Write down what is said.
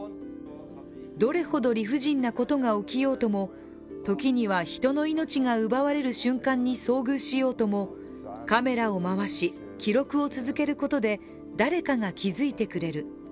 どれほど理不尽なことが起きようとも時には人の命が奪われる瞬間に遭遇しようともカメラを回し、記録を続けることで誰かが気づいてくれる。